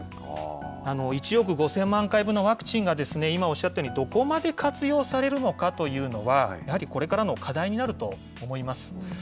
１億５０００万回分のワクチンが今おっしゃったように、どこまで活用されるのかというのは、やはりこれからの課題になると思います。